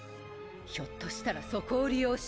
ひょっとしたらそこを利用して。